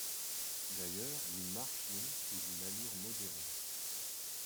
D'ailleurs, nous marchions sous une allure modérée.